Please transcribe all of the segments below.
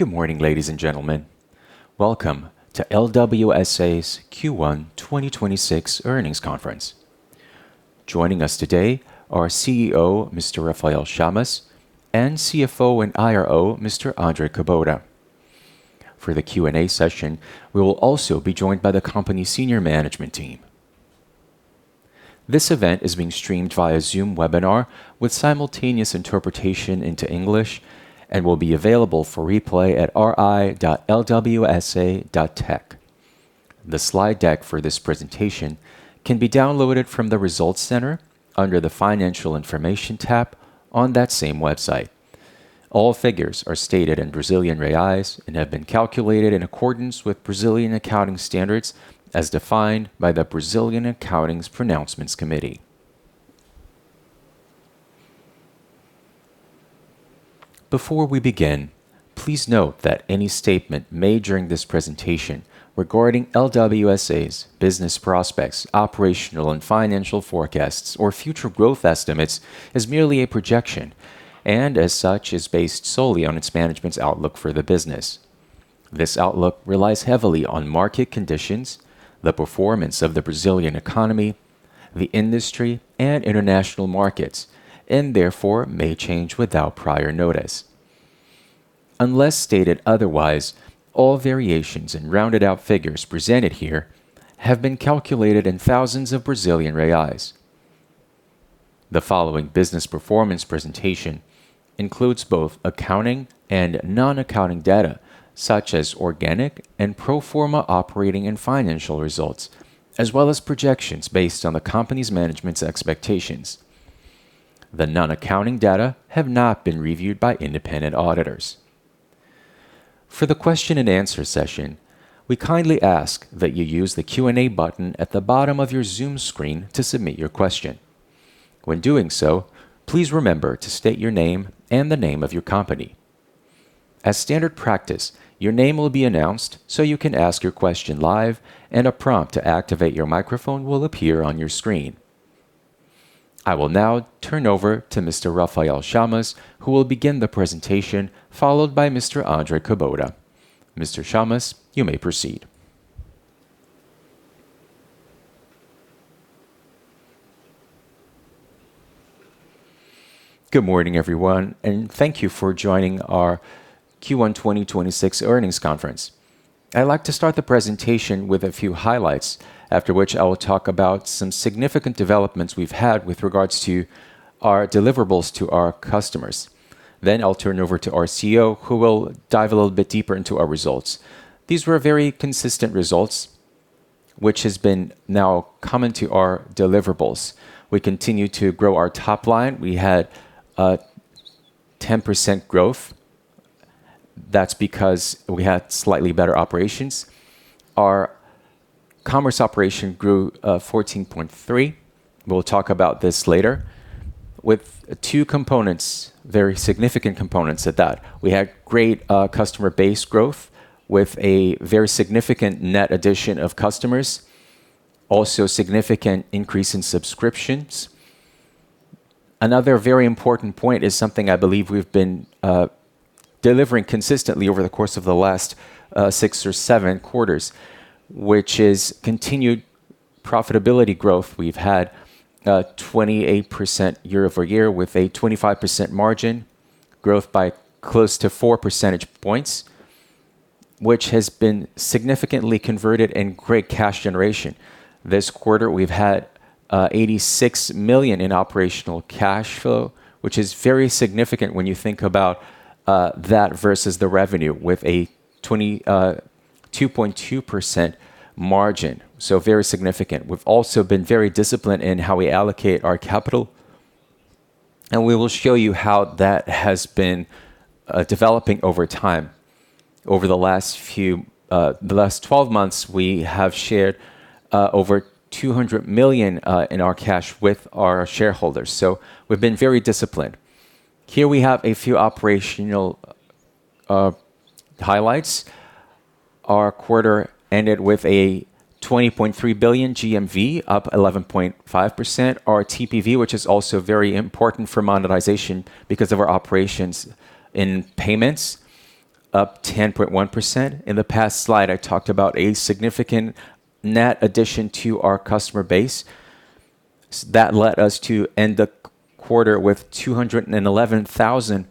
Good morning, ladies and gentlemen. Welcome to LWSA's Q1 2026 earnings conference. Joining us today are CEO, Mr. Rafael Chamas, and CFO and IRO, Mr. Andre Kubota. For the Q&A session, we will also be joined by the company's senior management team. This event is being streamed via Zoom webinar with simultaneous interpretation into English and will be available for replay at ri.lwsa.tech. The slide deck for this presentation can be downloaded from the Results center under the Financial Information tab on that same website. All figures are stated in Brazilian reais and have been calculated in accordance with Brazilian accounting standards as defined by the Brazilian Accounting Pronouncements Committee. Before we begin, please note that any statement made during this presentation regarding LWSA's business prospects, operational and financial forecasts, or future growth estimates is merely a projection, and as such, is based solely on its management's outlook for the business. This outlook relies heavily on market conditions, the performance of the Brazilian economy, the industry, and international markets, and therefore may change without prior notice. Unless stated otherwise, all variations and rounded out figures presented here have been calculated in thousands of Brazilian reais. The following business performance presentation includes both accounting and non-accounting data, such as organic and pro forma operating and financial results, as well as projections based on the company's management's expectations. The non-accounting data have not been reviewed by independent auditors. For the question and answer session, we kindly ask that you use the Q&A button at the bottom of your Zoom screen to submit your question. When doing so, please remember to state your name and the name of your company. As standard practice, your name will be announced so you can ask your question live, and a prompt to activate your microphone will appear on your screen. I will now turn over to Mr. Rafael Chamas, who will begin the presentation, followed by Mr. Andre Kubota. Mr. Chamas, you may proceed. Good morning, everyone, and thank you for joining our Q1 2026 earnings conference. I'd like to start the presentation with a few highlights, after which I will talk about some significant developments we've had with regards to our deliverables to our customers. I'll turn over to our [CEO], who will dive a little bit deeper into our results. These were very consistent results, which has been now common to our deliverables. We continue to grow our top line. We had 10% growth. That's because we had slightly better operations. Our commerce operation grew 14.3%. We'll talk about this later. With two components, very significant components at that, we had great customer base growth with a very significant net addition of customers, also significant increase in subscriptions. Another very important point is something I believe we've been delivering consistently over the course of the last six or seven quarters, which is continued profitability growth. We've had 28% year-over-year with a 25% margin growth by close to four percentage points, which has been significantly converted in great cash generation. This quarter, we've had 86 million in operational cash flow, which is very significant when you think about that versus the revenue with a 22.2% margin. Very significant. We've also been very disciplined in how we allocate our capital, and we will show you how that has been developing over time. Over the last 12 months, we have shared over 200 million in our cash with our shareholders. We've been very disciplined. Here we have a few operational highlights. Our quarter ended with a 20.3 billion GMV, up 11.5%. Our TPV, which is also very important for monetization because of our operations in payments, up 10.1%. In the past slide, I talked about a significant net addition to our customer base. That led us to end the quarter with 211,000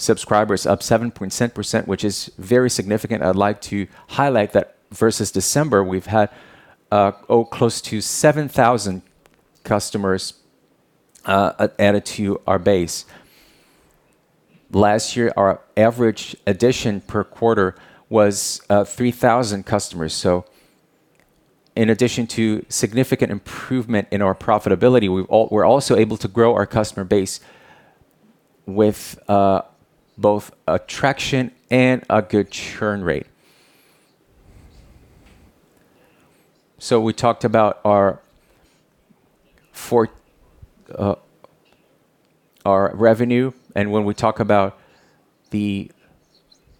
subscribers, up 7.7%, which is very significant. I'd like to highlight that versus December, we've had close to 7,000 customers added to our base. Last year, our average addition per quarter was 3,000 customers. In addition to significant improvement in our profitability, we're also able to grow our customer base with both attraction and a good churn rate. We talked about our revenue, and when we talk about the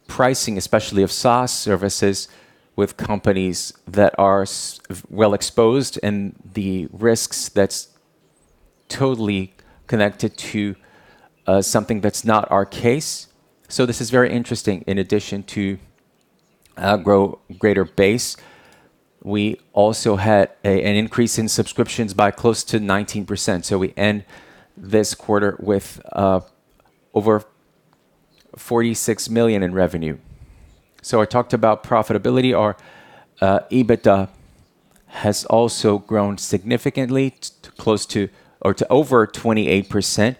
pricing, especially of SaaS services with companies that are well exposed and the risks that's totally connected to something that's not our case. This is very interesting. In addition to greater base, we also had an increase in subscriptions by close to 19%. We end this quarter with over 46 million in revenue. I talked about profitability. Our EBITDA has also grown significantly to close to or to over 28%,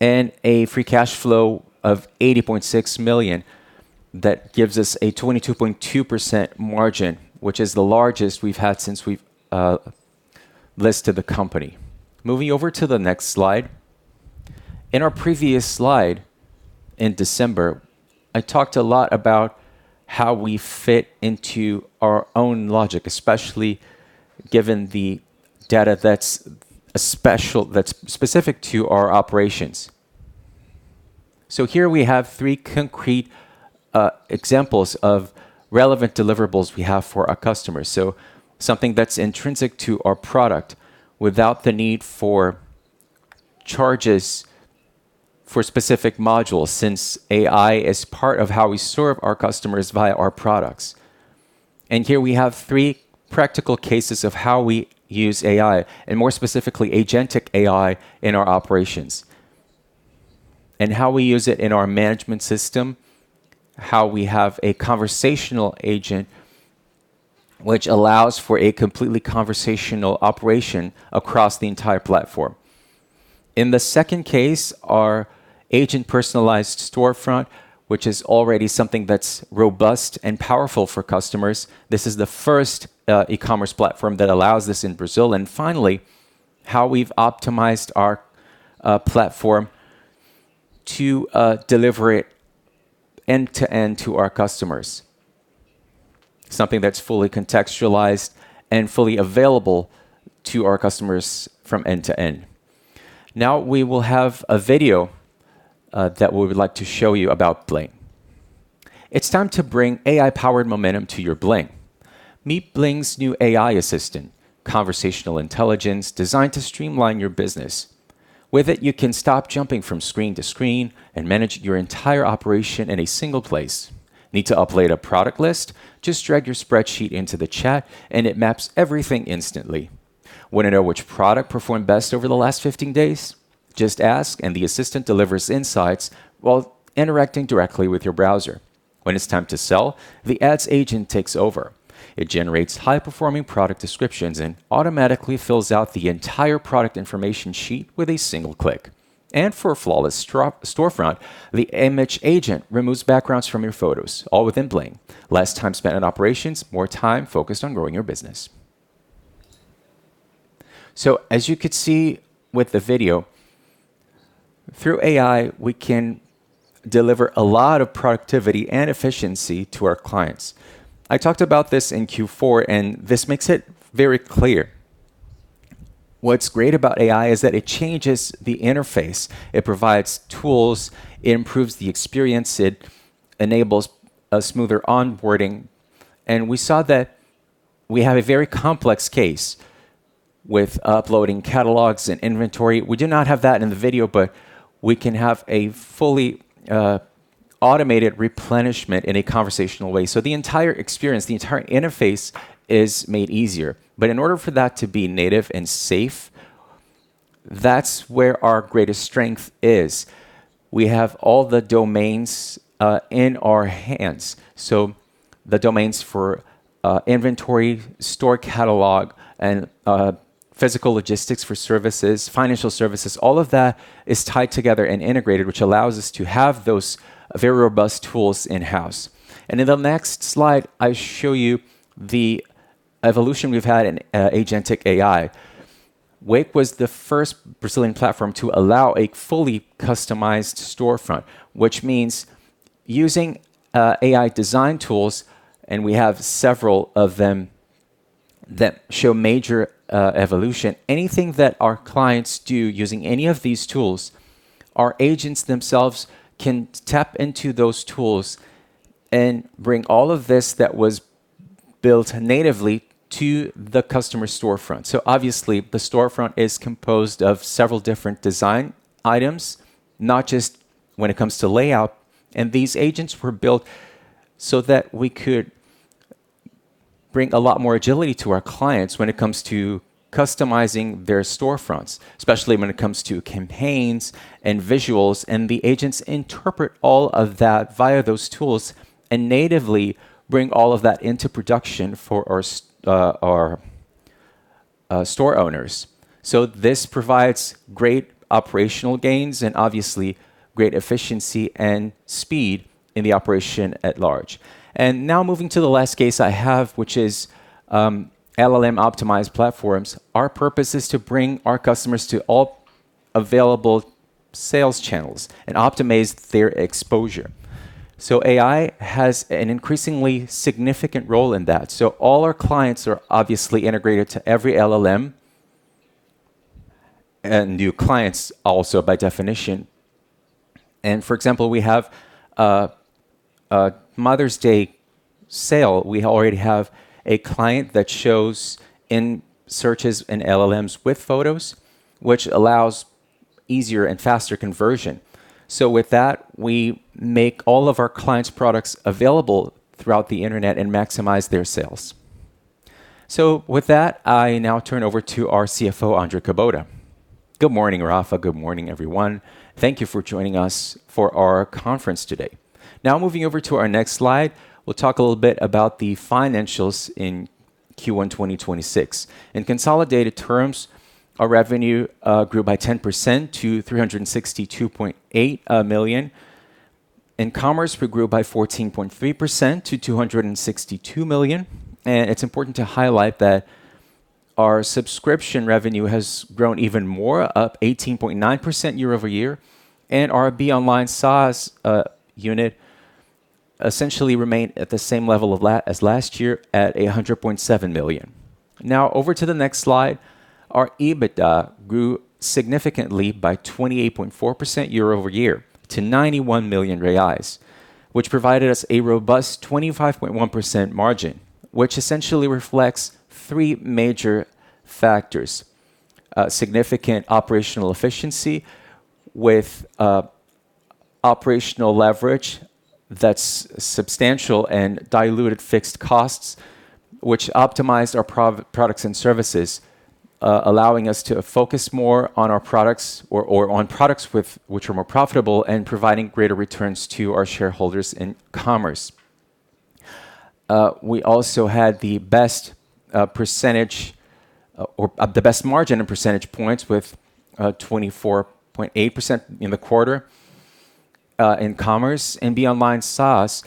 and a free cash flow of 80.6 million that gives us a 22.2% margin, which is the largest we've had since we've listed the company. Moving over to the next slide. In our previous slide, in December, I talked a lot about how we fit into our own logic, especially given the data that's specific to our operations. Here we have three concrete examples of relevant deliverables we have for our customers. Something that's intrinsic to our product without the need for charges for specific modules, since AI is part of how we serve our customers via our products. Here we have three practical cases of how we use AI and more specifically agentic AI in our operations, and how we use it in our management system, how we have a conversational agent which allows for a completely conversational operation across the entire platform. In the second case, our agent-personalized storefront, which is already something that's robust and powerful for customers. This is the first e-commerce platform that allows this in Brazil. Finally, how we've optimized our platform to deliver it end-to-end to our customers. Something that's fully contextualized and fully available to our customers from end to end. Now we will have a video that we would like to show you about Bling. It's time to bring AI-powered momentum to your Bling. Meet Bling's new AI assistant, conversational intelligence designed to streamline your business. With it, you can stop jumping from screen to screen and manage your entire operation in a single place. Need to upload a product list? Just drag your spreadsheet into the chat, and it maps everything instantly. Wanna know which product performed best over the last 15 days? Just ask, and the assistant delivers insights while interacting directly with your browser. When it's time to sell, the ads agent takes over. It generates high-performing product descriptions and automatically fills out the entire product information sheet with a single click. For a flawless storefront, the image agent removes backgrounds from your photos, all within Bling. Less time spent on operations, more time focused on growing your business. As you could see with the video, through AI, we can deliver a lot of productivity and efficiency to our clients. I talked about this in Q4, this makes it very clear. What's great about AI is that it changes the interface. It provides tools, it improves the experience, it enables a smoother onboarding. We saw that we have a very complex case with uploading catalogs and inventory. We do not have that in the video, we can have a fully automated replenishment in a conversational way. The entire experience, the entire interface is made easier. In order for that to be native and safe, that's where our greatest strength is. We have all the domains in our hands. The domains for inventory, store catalog, and physical logistics for services, financial services, all of that is tied together and integrated, which allows us to have those very robust tools in-house. In the next slide, I show you the evolution we've had in agentic AI. Wake was the first Brazilian platform to allow a fully customized storefront, which means using AI design tools, and we have several of them that show major evolution. Anything that our clients do using any of these tools, our agents themselves can tap into those tools and bring all of this that was built natively to the customer storefront. Obviously, the storefront is composed of several different design items, not just when it comes to layout. These agents were built so that we could bring a lot more agility to our clients when it comes to customizing their storefronts, especially when it comes to campaigns and visuals. The agents interpret all of that via those tools and natively bring all of that into production for our store owners. This provides great operational gains and obviously great efficiency and speed in the operation at large. Now moving to the last case I have, which is LLM-optimized platforms. Our purpose is to bring our customers to all available sales channels and optimize their exposure. AI has an increasingly significant role in that. All our clients are obviously integrated to every LLM. New clients also by definition. And for example, we have a Mother's Day sale. We already have a client that shows in searches and LLMs with photos, which allows easier and faster conversion. With that, we make all of our clients' products available throughout the internet and maximize their sales. With that, I now turn over to our CFO, Andre Kubota. Good morning, Rafa. Good morning, everyone. Thank you for joining us for our conference today. Moving over to our next slide, we'll talk a little bit about the financials in Q1 2026. In consolidated terms, our revenue grew by 10% to 362.8 million, and commerce grew by 14.3% to 262 million. It's important to highlight that our subscription revenue has grown even more, up 18.9% year-over-year. Our BeOnline SaaS unit essentially remained at the same level as last year at 100.7 million. Now over to the next slide, our EBITDA grew significantly by 28.4% year-over-year to 91 million reais, which provided us a robust 25.1% margin, which essentially reflects three major factors: significant operational efficiency with operational leverage that's substantial and diluted fixed costs which optimize our products and services, allowing us to focus more on our products or on products with which are more profitable and providing greater returns to our shareholders in commerce. We also had the best percentage or the best margin in percentage points with 24.8% in the quarter in commerce and BeOnline SaaS.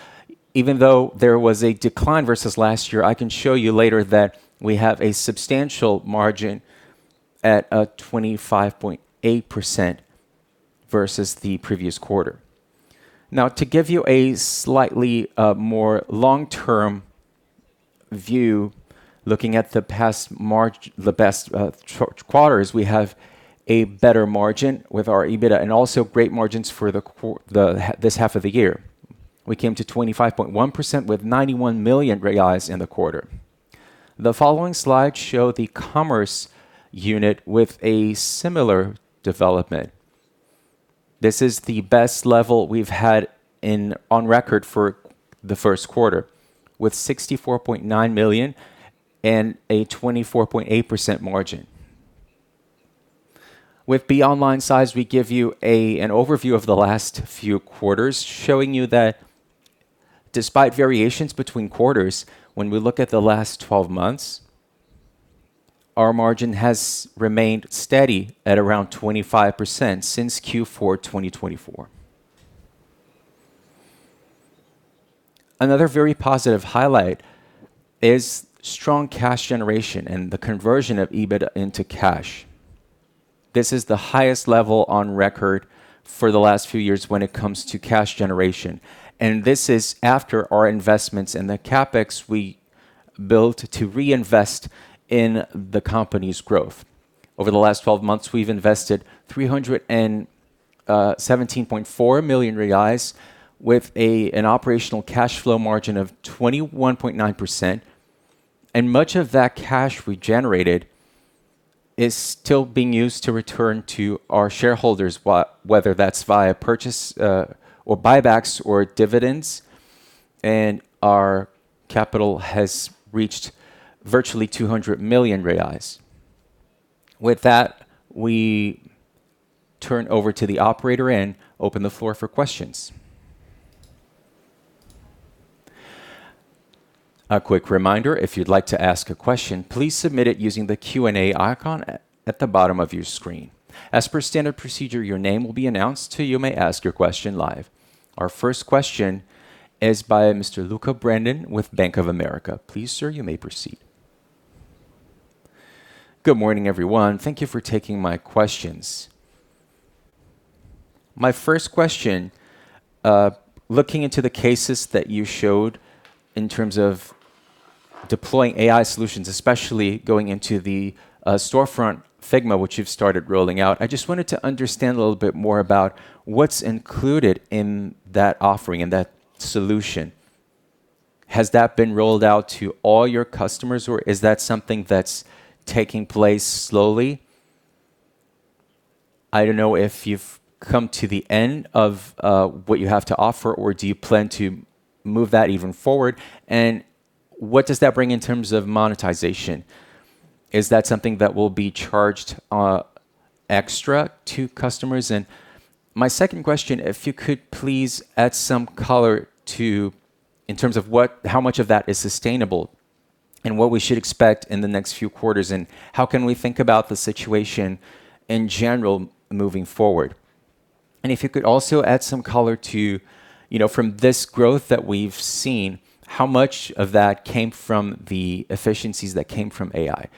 Even though there was a decline versus last year, I can show you later that we have a substantial margin at 25.8% versus the previous quarter. Now, to give you a slightly more long-term view, looking at the best quarters, we have a better margin with our EBITDA and also great margins for this half of the year. We came to 25.1% with 91 million reais in the quarter. The following slides show the commerce unit with a similar development. This is the best level we've had on record for the first quarter, with 64.9 million and a 24.8% margin. With BeOnline SaaS, we give you an overview of the last few quarters, showing you that despite variations between quarters, when we look at the last 12 months, our margin has remained steady at around 25% since Q4 2024. Another very positive highlight is strong cash generation and the conversion of EBITDA into cash. This is the highest level on record for the last few years when it comes to cash generation, and this is after our investments in the CapEx we built to reinvest in the company's growth. Over the last 12 months, we've invested 317.4 million reais with an operational cash flow margin of 21.9%. Much of that cash we generated is still being used to return to our shareholders, whether that's via purchase or buybacks or dividends, and our capital has reached virtually 200 million reais. With that, we turn over to the operator and open the floor for questions. A quick reminder, if you'd like to ask a question, please submit it using the Q&A icon at the bottom of your screen. As per standard procedure, your name will be announced till you may ask your question live. Our first question is by Mr. Lucca Brendim with Bank of America. Please, sir, you may proceed. Good morning, everyone. Thank you for taking my questions. My first question, looking into the cases that you showed in terms of deploying AI solutions, especially going into the storefront Figma, which you've started rolling out, I just wanted to understand a little bit more about what's included in that offering and that solution. Has that been rolled out to all your customers, or is that something that's taking place slowly? I don't know if you've come to the end of what you have to offer, or do you plan to move that even forward? What does that bring in terms of monetization? Is that something that will be charged extra to customers? My second question, if you could please add some color in terms of how much of that is sustainable and what we should expect in the next few quarters, and how can we think about the situation in general moving forward? If you could also add some color to, you know, from this growth that we've seen, how much of that came from the efficiencies that came from AI?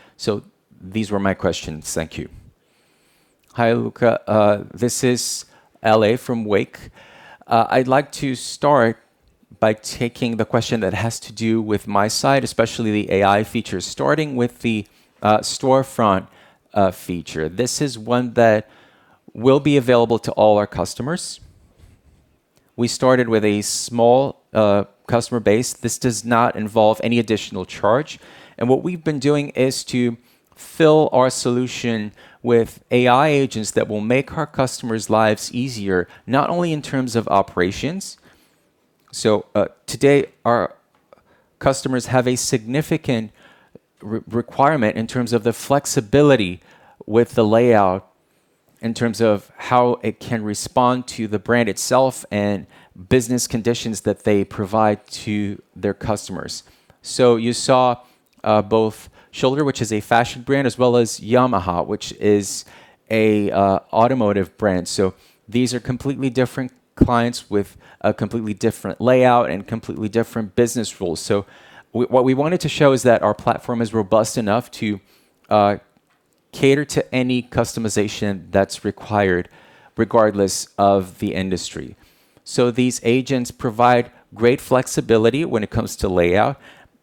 These were my questions. Thank you. Hi, Lucca. This is Ale from Wake. I'd like to start by taking the question that has to do with my side, especially the AI features, starting with the storefront feature. This is one that will be available to all our customers. We started with a small customer base. This does not involve any additional charge. What we've been doing is to fill our solution with AI agents that will make our customers' lives easier, not only in terms of operations. Today our customers have a significant requirement in terms of the flexibility with the layout, in terms of how it can respond to the brand itself and business conditions that they provide to their customers. You saw both Shoulder, which is a fashion brand, as well as Yamaha, which is an automotive brand. These are completely different clients with a completely different layout and completely different business rules. What we wanted to show is that our platform is robust enough to cater to any customization that's required, regardless of the industry. These agents provide great flexibility when it comes to layout,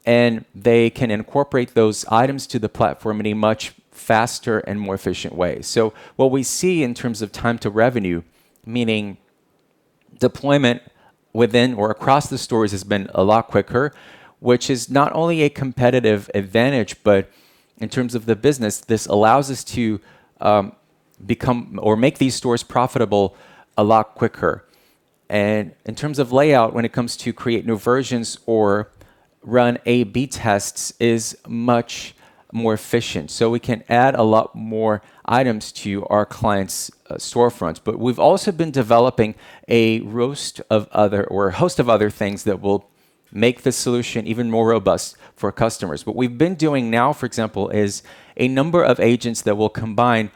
and they can incorporate those items to the platform in a much faster and more efficient way. What we see in terms of time to revenue, meaning deployment within or across the stores has been a lot quicker, which is not only a competitive advantage, but in terms of the business, this allows us to become or make these stores profitable a lot quicker. In terms of layout, when it comes to create new versions or run A/B tests, is much more efficient. We can add a lot more items to our clients' storefronts. We've also been developing a host of other things that will make the solution even more robust for customers. What we've been doing now, for example, is a number of agents that will combine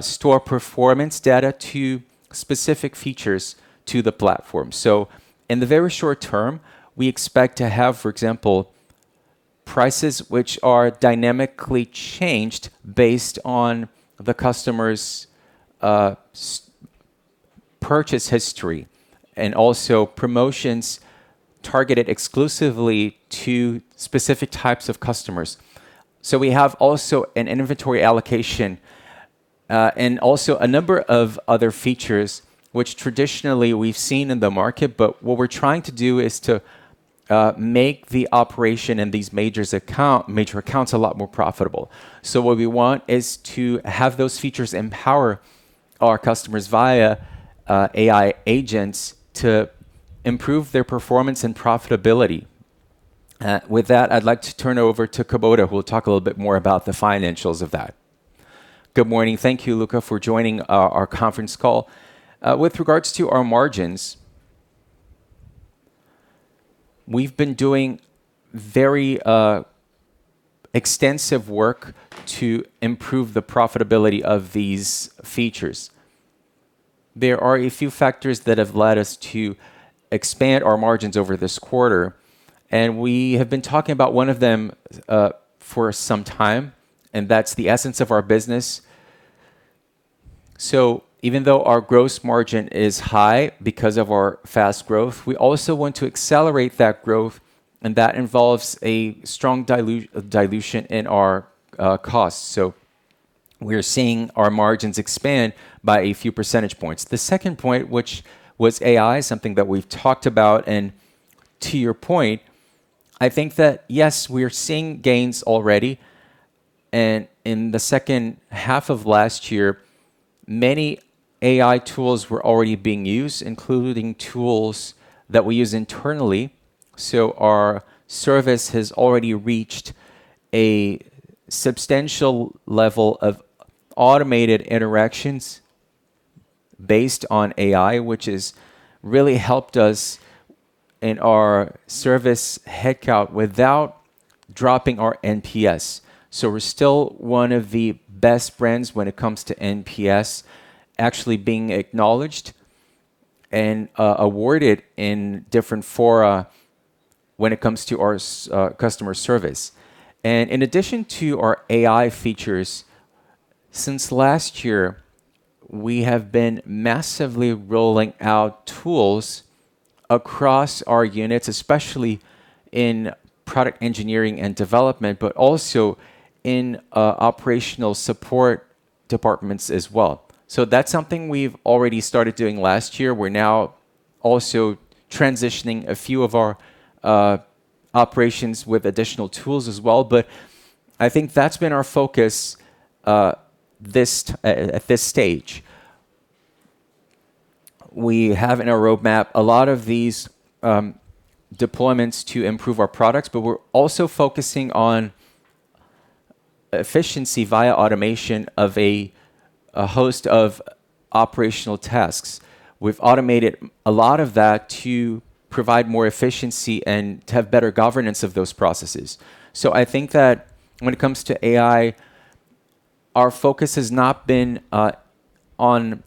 store performance data to specific features to the platform. In the very short term, we expect to have, for example, prices which are dynamically changed based on the customer's purchase history, and also promotions targeted exclusively to specific types of customers. We have also an inventory allocation and also a number of other features which traditionally we've seen in the market. What we're trying to do is to make the operation in these major accounts a lot more profitable. What we want is to have those features empower our customers via AI agents to improve their performance and profitability. With that, I'd like to turn over to Kubota, who will talk a little bit more about the financials of that. Good morning. Thank you, Lucca, for joining our conference call. With regards to our margins, we've been doing very extensive work to improve the profitability of these features. There are a few factors that have led us to expand our margins over this quarter, and we have been talking about one of them for some time, and that's the essence of our business. Even though our gross margin is high because of our fast growth, we also want to accelerate that growth, and that involves a strong dilution in our costs. We are seeing our margins expand by a few percentage points. The second point, which was AI, something that we've talked about, and to your point, I think that, yes, we are seeing gains already. In the second half of last year, many AI tools were already being used, including tools that we use internally. Our service has already reached a substantial level of automated interactions based on AI, which has really helped us in our service headcount without dropping our NPS. We're still one of the best brands when it comes to NPS actually being acknowledged and awarded in different fora when it comes to our customer service. In addition to our AI features, since last year, we have been massively rolling out tools across our units, especially in product engineering and development, but also in operational support departments as well. That's something we've already started doing last year. We're now also transitioning a few of our operations with additional tools as well. I think that's been our focus at this stage. We have in our roadmap a lot of these deployments to improve our products, we're also focusing on efficiency via automation of a host of operational tasks. We've automated a lot of that to provide more efficiency and to have better governance of those processes. I think that when it comes to AI, our focus has not been on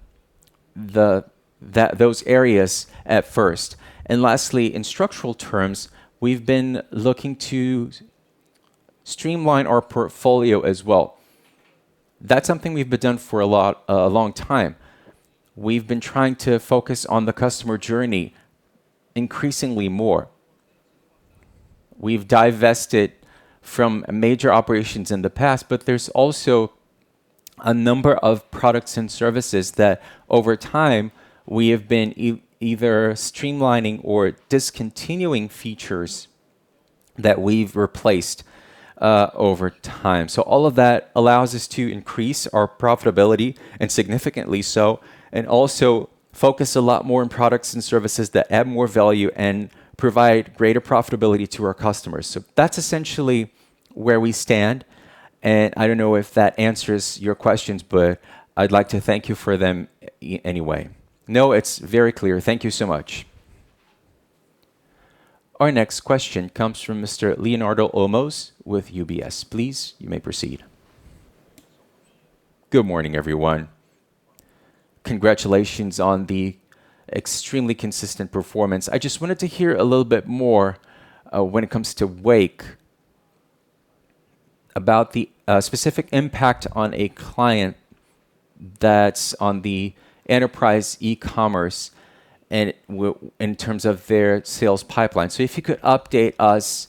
those areas at first. Lastly, in structural terms, we've been looking to streamline our portfolio as well. That's something we've been doing for a long time. We've been trying to focus on the customer journey increasingly more. We've divested from major operations in the past, but there's also a number of products and services that over time we have been either streamlining or discontinuing features that we've replaced over time. All of that allows us to increase our profitability, and significantly so, and also focus a lot more on products and services that add more value and provide greater profitability to our customers. That's essentially where we stand. I don't know if that answers your questions, but I'd like to thank you for them anyway. No, it's very clear. Thank you so much. Our next question comes from Mr. Leonardo Olmos with UBS. Please, you may proceed. Good morning, everyone. Congratulations on the extremely consistent performance. I just wanted to hear a little bit more when it comes to Wake about the specific impact on a client that's on the enterprise e-commerce and in terms of their sales pipeline. If you could update us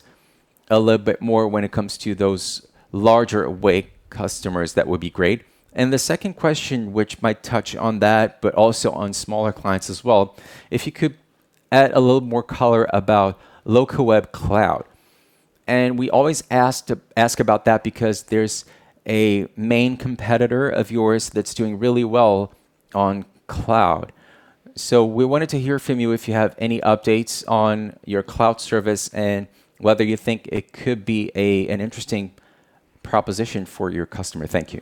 a little bit more when it comes to those larger Wake customers, that would be great. The second question, which might touch on that, but also on smaller clients as well, if you could add a little more color about Locaweb Cloud. We always ask about that because there's a main competitor of yours that's doing really well on cloud. We wanted to hear from you if you have any updates on your cloud service and whether you think it could be an interesting proposition for your customer. Thank you.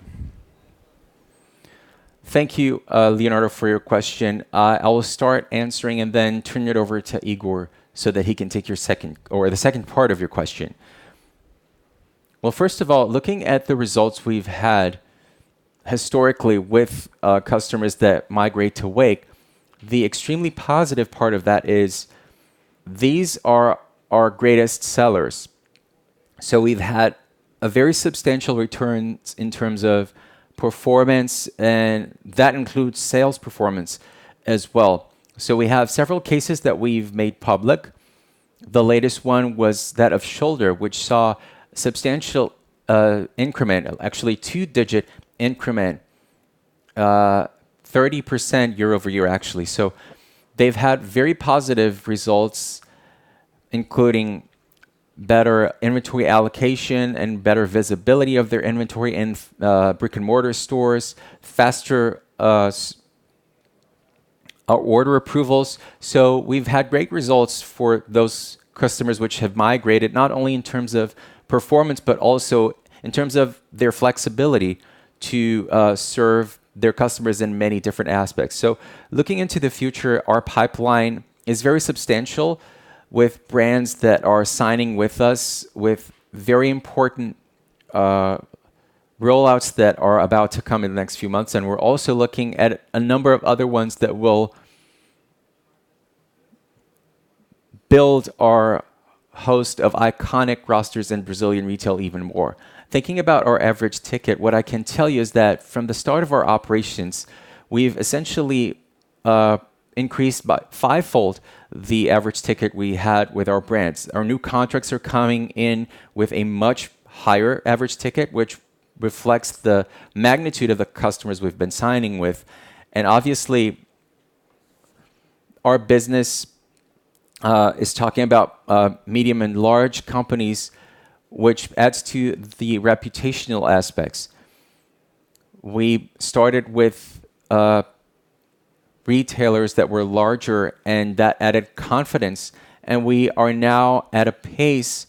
Thank you, Leonardo, for your question. I will start answering and then turn it over to Higor so that he can take your second part of your question. Well, first of all, looking at the results we've had historically with customers that migrate to Wake, the extremely positive part of that is these are our greatest sellers. We've had a very substantial return in terms of performance, and that includes sales performance as well. We have several cases that we've made public. The latest one was that of Shoulder, which saw substantial increment, actually two-digit increment, 30% year-over-year, actually. They've had very positive results, including better inventory allocation and better visibility of their inventory in brick-and-mortar stores, faster order approvals. We've had great results for those customers which have migrated, not only in terms of performance, but also in terms of their flexibility to serve their customers in many different aspects. Looking into the future, our pipeline is very substantial with brands that are signing with us with very important rollouts that are about to come in the next few months. We're also looking at a number of other ones that will build our host of iconic rosters in Brazilian retail even more. Thinking about our average ticket, what I can tell you is that from the start of our operations, we've essentially increased by fivefold the average ticket we had with our brands. Our new contracts are coming in with a much higher average ticket, which reflects the magnitude of the customers we've been signing with. Obviously, our business is talking about medium and large companies, which adds to the reputational aspects. We started with retailers that were larger and that added confidence, and we are now at a pace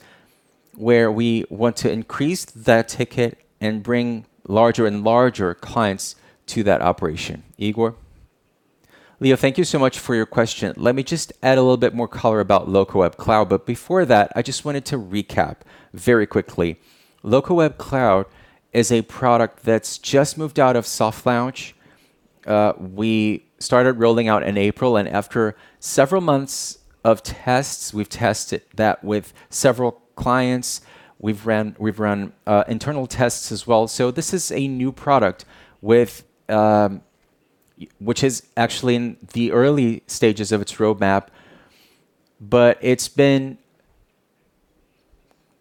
where we want to increase that ticket and bring larger and larger clients to that operation. Higor? Leo, thank you so much for your question. Let me just add a little bit more color about Locaweb Cloud. Before that, I just wanted to recap very quickly. Locaweb Cloud is a product that's just moved out of soft launch. We started rolling out in April, and after several months of tests, we've run internal tests as well. This is a new product with which is actually in the early stages of its roadmap. It's been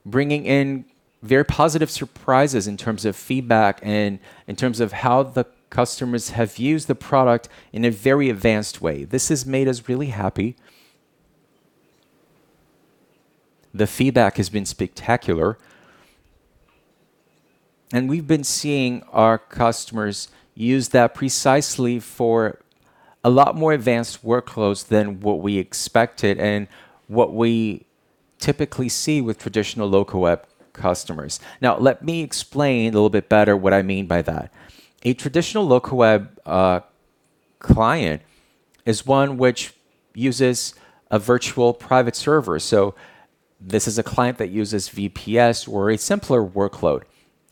bringing in very positive surprises in terms of feedback and in terms of how the customers have used the product in a very advanced way. This has made us really happy. The feedback has been spectacular. We've been seeing our customers use that precisely for a lot more advanced workloads than what we expected and what we typically see with traditional Locaweb customers. Now, let me explain a little bit better what I mean by that. A traditional Locaweb client is one which uses a virtual private server. This is a client that uses VPS or a simpler workload.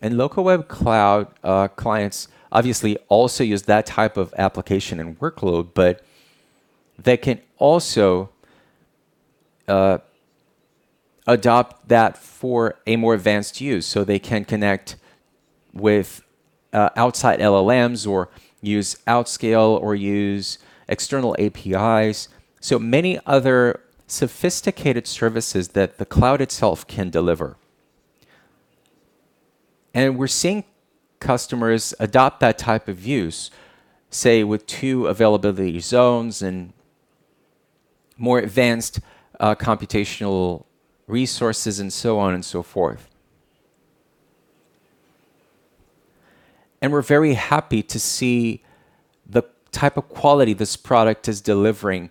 Locaweb Cloud clients obviously also use that type of application and workload, but they can also adopt that for a more advanced use, so they can connect with outside LLMs or use autoscale or use external APIs. Many other sophisticated services that the cloud itself can deliver. We're seeing customers adopt that type of use, say, with two availability zones and more advanced computational resources and so on and so forth. We're very happy to see the type of quality this product is delivering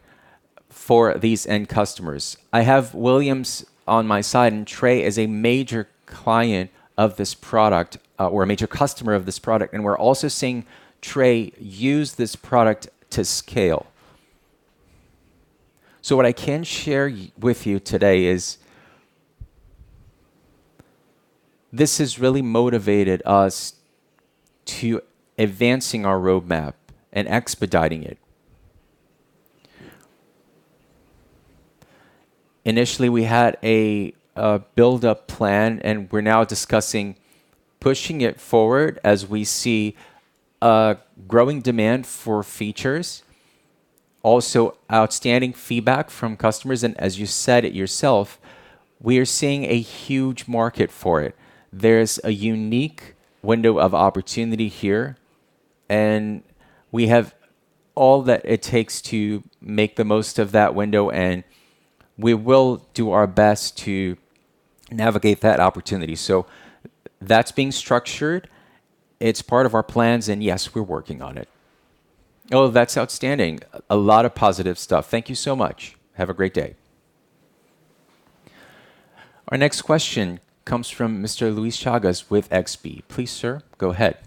for these end customers. I have Willians on my side, and Tray is a major client of this product, or a major customer of this product, and we're also seeing Tray use this product to scale. What I can share with you today is this has really motivated us to advancing our roadmap and expediting it. Initially, we had a build-up plan, and we're now discussing pushing it forward as we see a growing demand for features, also outstanding feedback from customers, and as you said it yourself, we are seeing a huge market for it. There's a unique window of opportunity here, and we have all that it takes to make the most of that window, and we will do our best to navigate that opportunity. That's being structured. It's part of our plans, and yes, we're working on it. Oh, that's outstanding. A lot of positive stuff. Thank you so much. Have a great day. Our next question comes from Mr. Luís Chagas with XP. Please, sir, go ahead.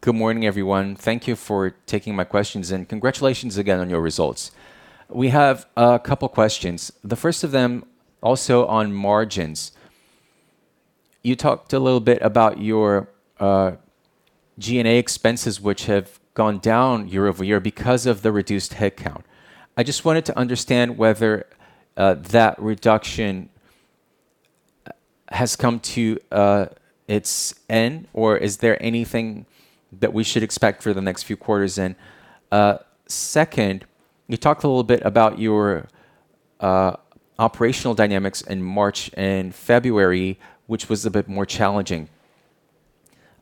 Good morning, everyone. Thank you for taking my questions, and congratulations again on your results. We have a couple questions. The first of them also on margins. You talked a little bit about your G&A expenses, which have gone down year-over-year because of the reduced headcount. I just wanted to understand whether that reduction has come to its end, or is there anything that we should expect for the next few quarters in? Second, you talked a little bit about your operational dynamics in March and February, which was a bit more challenging.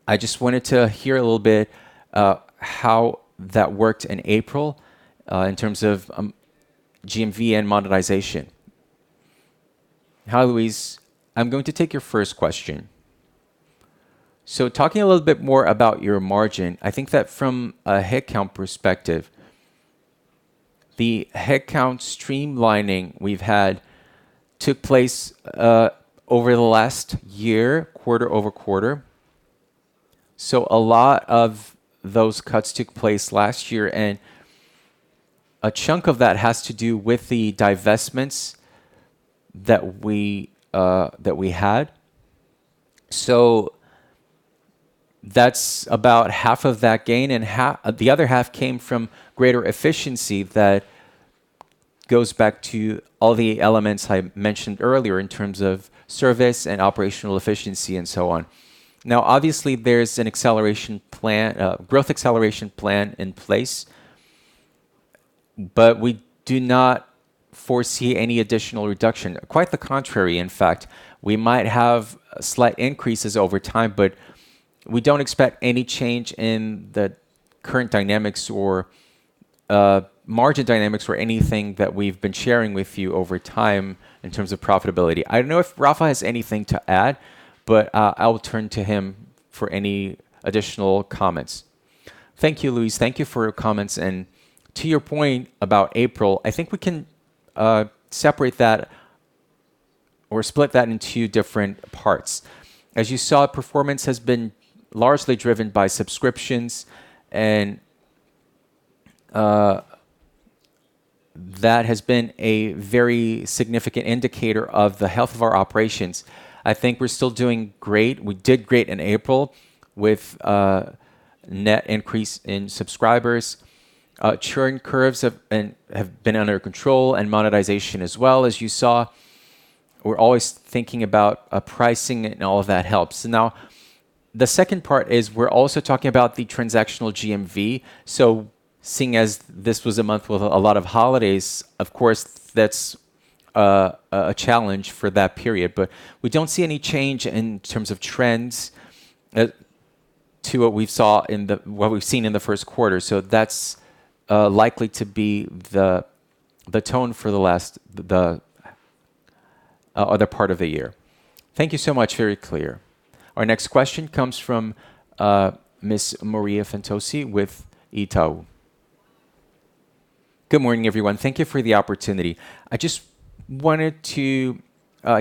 I just wanted to hear a little bit how that worked in April in terms of GMV and monetization. Hi, Luís. I'm going to take your first question. Talking a little bit more about your margin, I think that from a headcount perspective, the headcount streamlining we've had took place over the last year, quarter-over-quarter. A lot of those cuts took place last year, and a chunk of that has to do with the divestments that we had. That's about half of that gain and the other half came from greater efficiency that goes back to all the elements I mentioned earlier in terms of service and operational efficiency and so on. Obviously, there's an acceleration plan, growth acceleration plan in place. We do not foresee any additional reduction. Quite the contrary, in fact. We might have slight increases over time, but we don't expect any change in the current dynamics or margin dynamics or anything that we've been sharing with you over time in terms of profitability. I don't know if Rafa has anything to add. I will turn to him for any additional comments. Thank you, Luís. Thank you for your comments. To your point about April, I think we can separate that or split that into different parts. As you saw, performance has been largely driven by subscriptions and that has been a very significant indicator of the health of our operations. I think we're still doing great. We did great in April with a net increase in subscribers. Churn curves have been under control and monetization as well, as you saw. We're always thinking about pricing and all of that helps. Now, the second part is we're also talking about the transactional GMV. Seeing as this was a month with a lot of holidays, of course, that's a challenge for that period. We don't see any change in terms of trends to what we've seen in the first quarter. That's likely to be the tone for the last other part of the year. Thank you so much. Very clear. Our next question comes from Miss Maria Infantozzi with Itaú. Good morning, everyone. Thank you for the opportunity. I just wanted to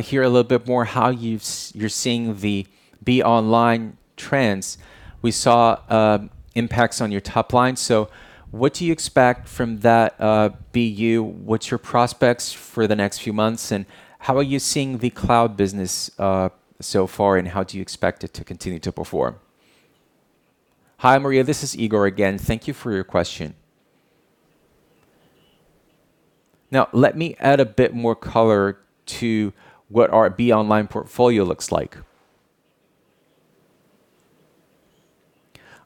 hear a little bit more how you're seeing the BeOnline trends. We saw impacts on your top line. What do you expect from that BU? What's your prospects for the next few months, and how are you seeing the cloud business so far, and how do you expect it to continue to perform? Hi, Maria. This is Higor again. Thank you for your question. Now, let me add a bit more color to what our BeOnline portfolio looks like.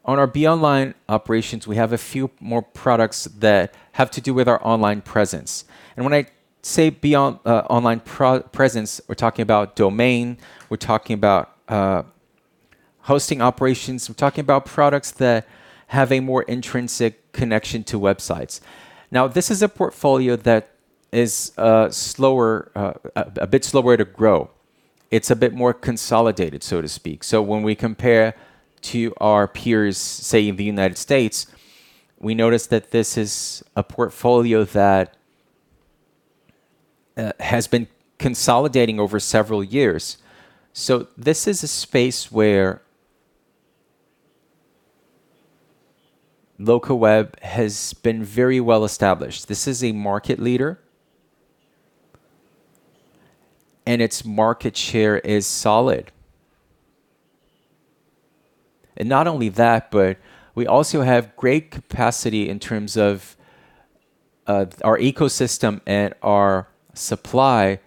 On our BeOnline operations, we have a few more products that have to do with our online presence. When I say online presence, we're talking about domain, we're talking about hosting operations, we're talking about products that have a more intrinsic connection to websites. This is a portfolio that is a bit slower to grow. It's a bit more consolidated, so to speak. When we compare to our peers, say, in the United States., we notice that this is a portfolio that has been consolidating over several years. This is a space where Locaweb has been very well established. This is a market leader, and its market share is solid. Not only that, but we also have great capacity in terms of our ecosystem and our supply,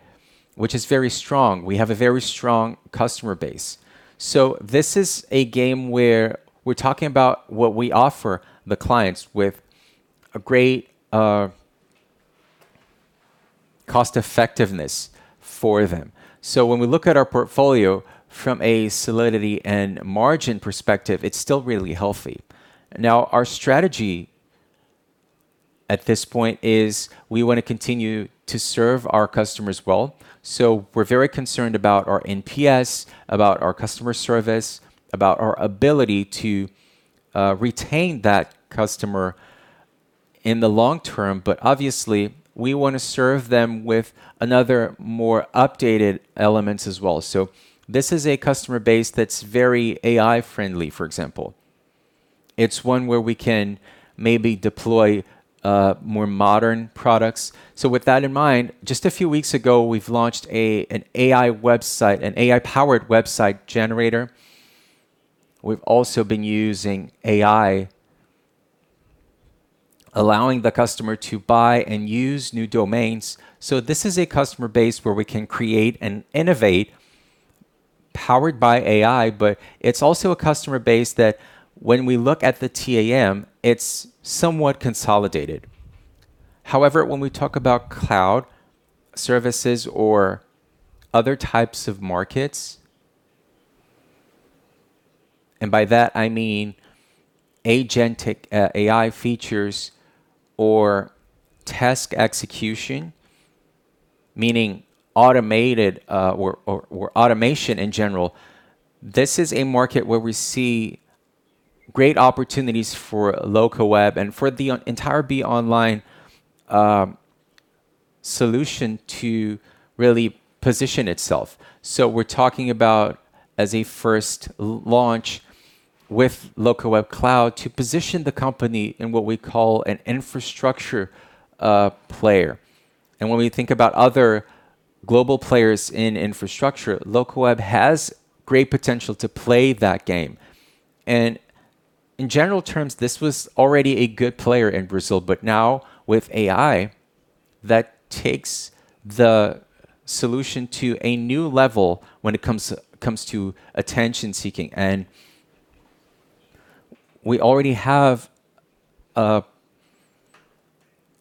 which is very strong. We have a very strong customer base. This is a game where we're talking about what we offer the clients with a great cost effectiveness for them. When we look at our portfolio from a solidity and margin perspective, it's still really healthy. Now, our strategy at this point is we wanna continue to serve our customers well. We're very concerned about our NPS, about our customer service, about our ability to retain that customer in the long term. Obviously, we wanna serve them with another, more updated elements as well. This is a customer base that's very AI-friendly, for example. It's one where we can maybe deploy more modern products. With that in mind, just a few weeks ago, we've launched an AI website, an AI-powered website generator. We've also been using AI, allowing the customer to buy and use new domains. This is a customer base where we can create and innovate powered by AI, but it's also a customer base that when we look at the TAM, it's somewhat consolidated. However, when we talk about cloud services or other types of markets, and by that I mean agentic AI features or task execution, meaning automated or automation in general, this is a market where we see great opportunities for Locaweb and for the entire BeOnline solution to really position itself. We're talking about as a first launch with Locaweb Cloud to position the company in what we call an infrastructure player. When we think about other global players in infrastructure, Locaweb has great potential to play that game. In general terms, this was already a good player in Brazil. Now with AI, that takes the solution to a new level when it comes to attention-seeking. We already have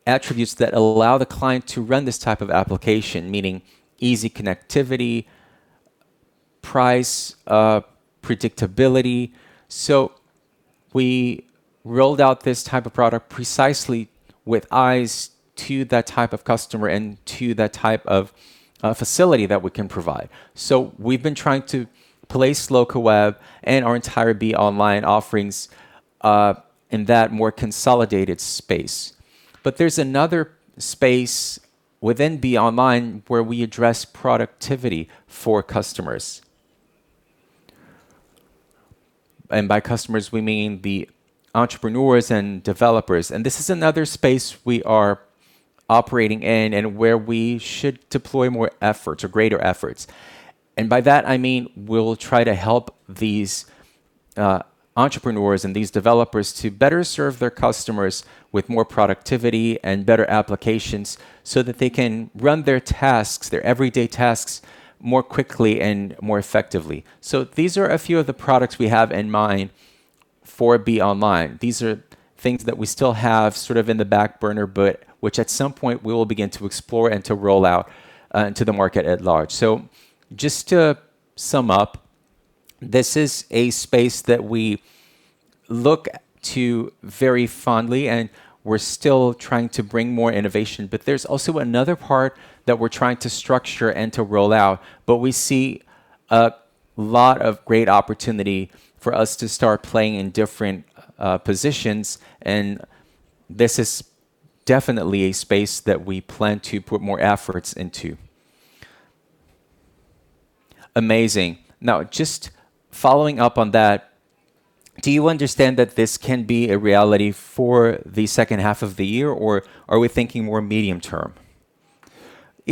attributes that allow the client to run this type of application, meaning easy connectivity, price, predictability. We rolled out this type of product precisely with eyes to that type of customer and to that type of facility that we can provide. We've been trying to place Locaweb and our entire BeOnline offerings in that more consolidated space. There's another space within BeOnline where we address productivity for customers. By customers, we mean the entrepreneurs and developers, and this is another space we are operating in and where we should deploy more efforts or greater efforts. By that, I mean we'll try to help these entrepreneurs and these developers to better serve their customers with more productivity and better applications, so that they can run their tasks, their everyday tasks more quickly and more effectively. These are a few of the products we have in mind for BeOnline. These are things that we still have sort of in the back burner, but which at some point we will begin to explore and to roll out to the market at large. Just to sum up, this is a space that we look to very fondly, and we're still trying to bring more innovation. There's also another part that we're trying to structure and to roll out. We see a lot of great opportunity for us to start playing in different positions. This is definitely a space that we plan to put more efforts into. Amazing. Just following up on that, do you understand that this can be a reality for the second half of the year, or are we thinking more medium term?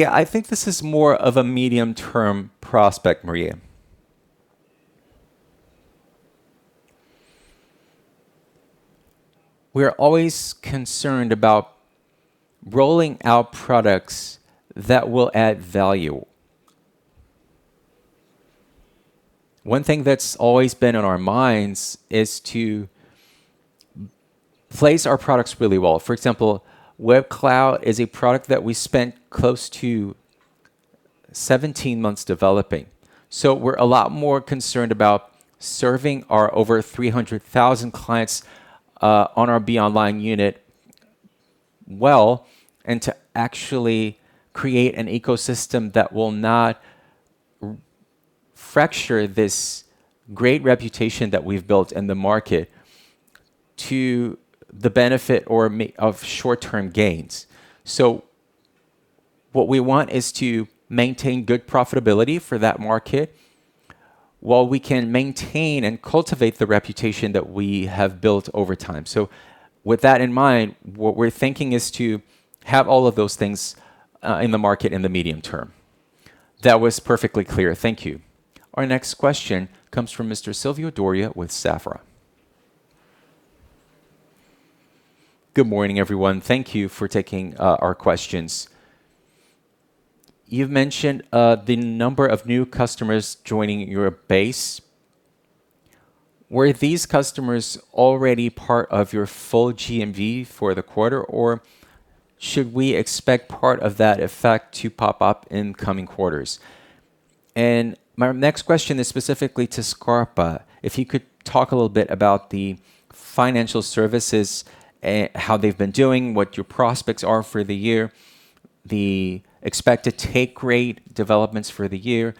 I think this is more of a medium-term prospect, Maria. We're always concerned about rolling out products that will add value. One thing that's always been on our minds is to place our products really well. For example, Locaweb Cloud is a product that we spent close to 17 months developing. We're a lot more concerned about serving our over 300,000 clients on our BeOnline unit well and to actually create an ecosystem that will not fracture this great reputation that we've built in the market to the benefit of short-term gains. What we want is to maintain good profitability for that market while we can maintain and cultivate the reputation that we have built over time. With that in mind, what we're thinking is to have all of those things in the market in the medium term. That was perfectly clear. Thank you. Our next question comes from Mr. Silvio Dória with Safra. Good morning, everyone. Thank you for taking our questions. You've mentioned the number of new customers joining your base. Were these customers already part of your full GMV for the quarter, or should we expect part of that effect to pop up in coming quarters? My next question is specifically to Scarpa. If he could talk a little bit about the financial services, how they've been doing, what your prospects are for the year, the expected take rate developments for the year.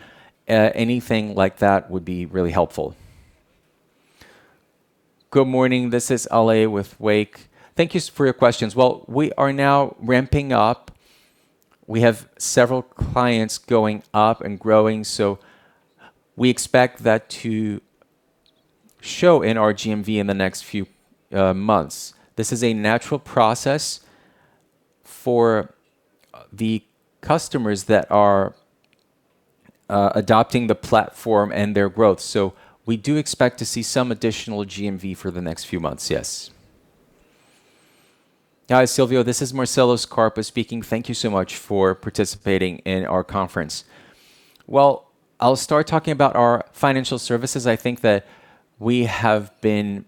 Anything like that would be really helpful. Good morning. This is Ale with Wake. Thank you for your questions. Well, we are now ramping up. We have several clients going up and growing, so we expect that to show in our GMV in the next few months. This is a natural process for the customers that are adopting the platform and their growth. We do expect to see some additional GMV for the next few months, yes. Hi, Silvio. This is Marcelo Scarpa speaking. Thank you so much for participating in our conference. Well, I'll start talking about our financial services. I think that we have been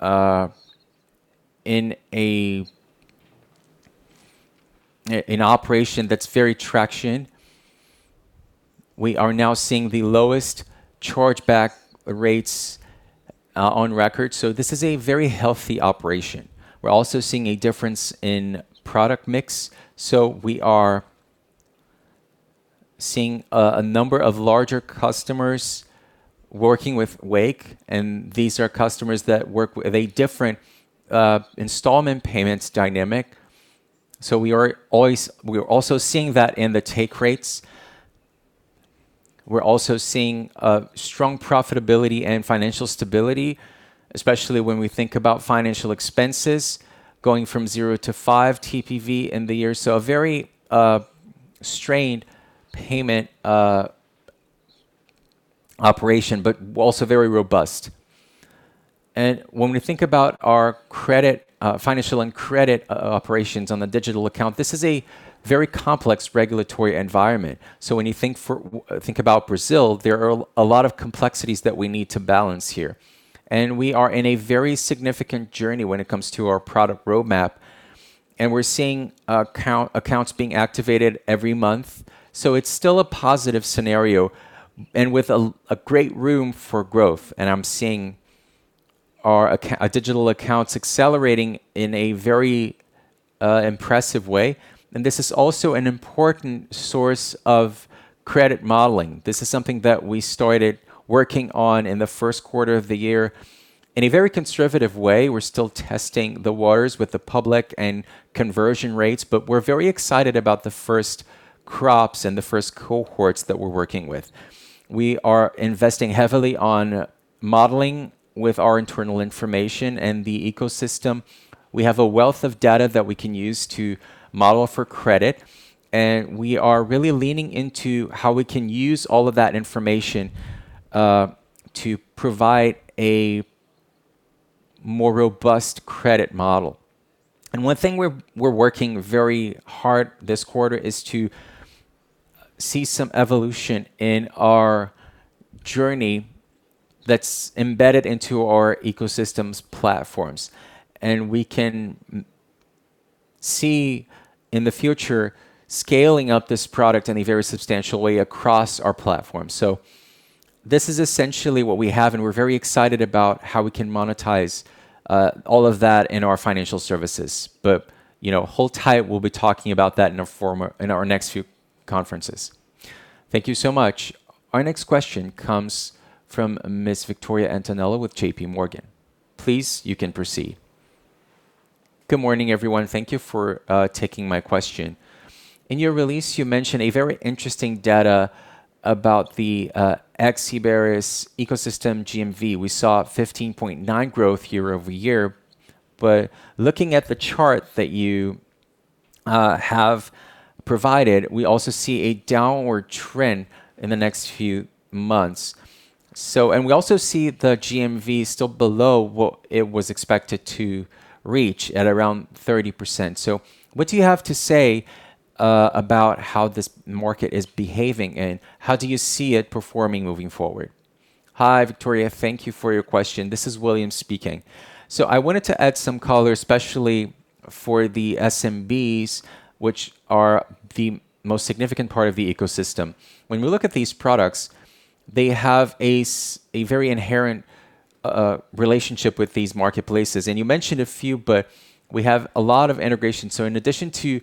in an operation that's very traction. We are now seeing the lowest chargeback rates on record, this is a very healthy operation. We're also seeing a difference in product mix, we are seeing a number of larger customers working with Wake, these are customers that work with a different installment payments dynamic. We are also seeing that in the take rates. We're also seeing a strong profitability and financial stability, especially when we think about financial expenses going from zero to five TPV in the year. A very strained payment operation, also very robust. When we think about our credit, financial and credit operations on the digital account, this is a very complex regulatory environment. When you think about Brazil, there are a lot of complexities that we need to balance here. We are in a very significant journey when it comes to our product roadmap, and we're seeing accounts being activated every month. It's still a positive scenario and with a great room for growth. I'm seeing our digital accounts accelerating in a very impressive way. This is also an important source of credit modeling. This is something that we started working on in the first quarter of the year in a very conservative way. We're still testing the waters with the public and conversion rates. We're very excited about the first crops and the first cohorts that we're working with. We are investing heavily on modeling with our internal information and the ecosystem. We have a wealth of data that we can use to model for credit. We are really leaning into how we can use all of that information to provide a more robust credit model. One thing we're working very hard this quarter is to see some evolution in our journey that's embedded into our ecosystems platforms. We can see in the future scaling up this product in a very substantial way across our platform. This is essentially what we have, and we're very excited about how we can monetize all of that in our financial services. You know, hold tight. We'll be talking about that in our next few conferences. Thank you so much. Our next question comes from Ms. Victoria Antonello with JPMorgan. Please, you can proceed. Good morning, everyone. Thank you for taking my question. In your release, you mentioned a very interesting data about the [Xuberis] ecosystem GMV. We saw 15.9% growth year-over-year. Looking at the chart that you have provided, we also see a downward trend in the next few months. We also see the GMV still below what it was expected to reach at around 30%. What do you have to say about how this market is behaving, and how do you see it performing moving forward? Hi, Victoria. Thank you for your question. This is Willians speaking. I wanted to add some color, especially for the SMBs, which are the most significant part of the ecosystem. When we look at these products, they have a very inherent relationship with these marketplaces. You mentioned a few, but we have a lot of integration. In addition to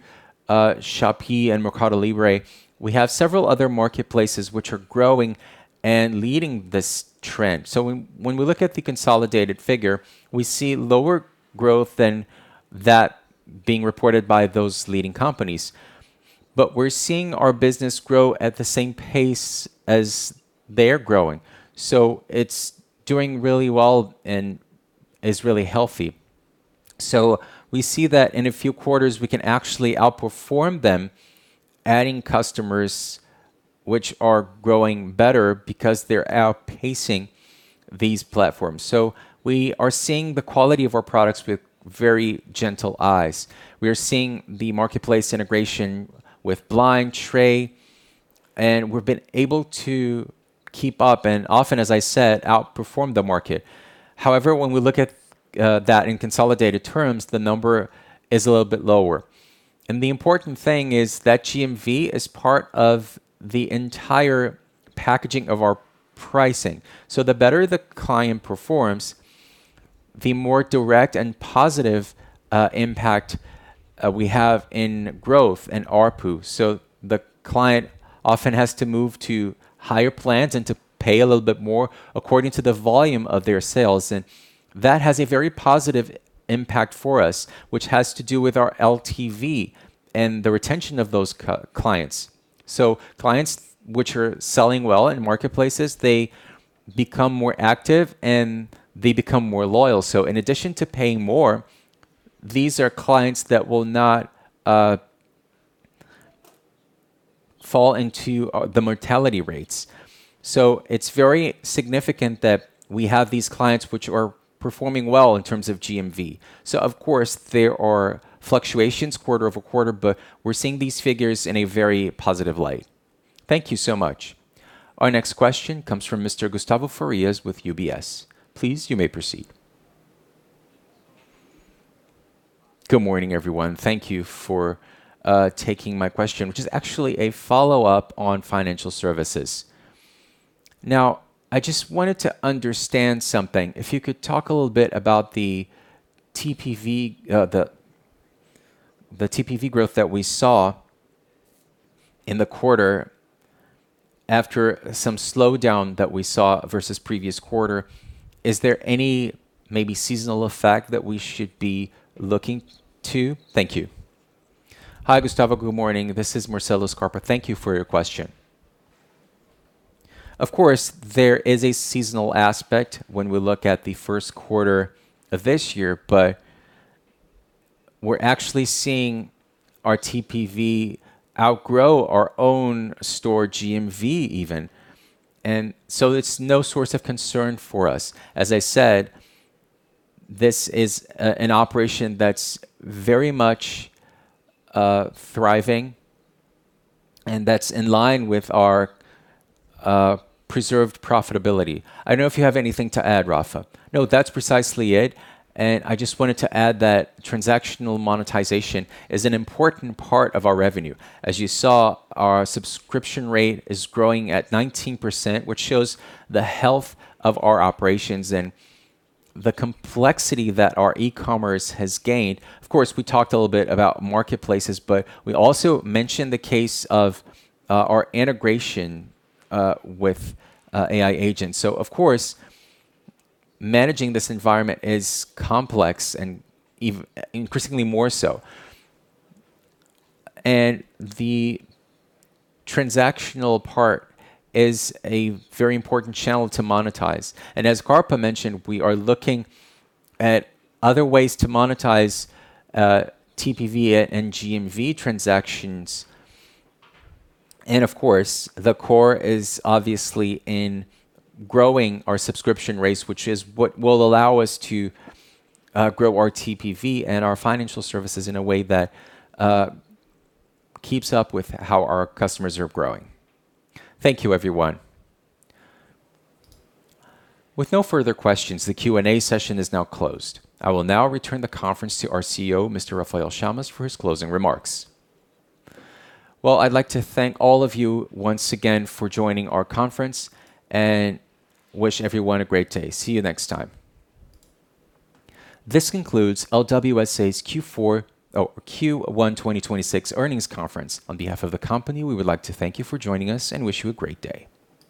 Shopee and Mercado Libre, we have several other marketplaces which are growing and leading this trend. When we look at the consolidated figure, we see lower growth than that being reported by those leading companies. We're seeing our business grow at the same pace as they're growing, so it's doing really well and is really healthy. We see that in a few quarters, we can actually outperform them, adding customers which are growing better because they're outpacing these platforms. We are seeing the quality of our products with very gentle eyes. We are seeing the marketplace integration with Bling and Tray, and we've been able to keep up and often, as I said, outperform the market. However, when we look at that in consolidated terms, the number is a little bit lower. The important thing is that GMV is part of the entire packaging of our pricing. The better the client performs, the more direct and positive impact we have in growth and ARPU. The client often has to move to higher plans and to pay a little bit more according to the volume of their sales, and that has a very positive impact for us, which has to do with our LTV and the retention of those clients. Clients which are selling well in marketplaces, they become more active, and they become more loyal. In addition to paying more, these are clients that will not fall into the mortality rates. It's very significant that we have these clients which are performing well in terms of GMV. Of course, there are fluctuations quarter-over-quarter, but we're seeing these figures in a very positive light. Thank you so much. Our next question comes from Mr. Gustavo Farias with UBS. Please, you may proceed. Good morning, everyone. Thank you for taking my question, which is actually a follow-up on financial services. I just wanted to understand something. If you could talk a little bit about the TPV, the TPV growth that we saw in the quarter after some slowdown that we saw versus previous quarter. Is there any maybe seasonal effect that we should be looking to? Thank you. Hi, Gustavo. Good morning. This is Marcelo Scarpa. Thank you for your question. Of course, there is a seasonal aspect when we look at the first quarter of this year, but we're actually seeing our TPV outgrow our own store GMV even. It's no source of concern for us. As I said, this is an operation that's very much thriving and that's in line with our preserved profitability. I don't know if you have anything to add, Rafa. No, that's precisely it. I just wanted to add that transactional monetization is an important part of our revenue. As you saw, our subscription rate is growing at 19%, which shows the health of our operations and the complexity that our e-commerce has gained. Of course, we talked a little bit about marketplaces, but we also mentioned the case of our integration with AI agents. Of course, managing this environment is complex and increasingly more so. The transactional part is a very important channel to monetize. As Scarpa mentioned, we are looking at other ways to monetize TPV and GMV transactions. Of course, the core is obviously in growing our subscription rates, which is what will allow us to grow our TPV and our financial services in a way that keeps up with how our customers are growing. Thank you, everyone. With no further questions, the Q&A session is now closed. I will now return the conference to our CEO, Mr. Rafael Chamas, for his closing remarks. Well, I'd like to thank all of you once again for joining our conference and wish everyone a great day. See you next time. This concludes LWSA's Q1 2026 earnings conference. On behalf of the company, we would like to thank you for joining us and wish you a great day.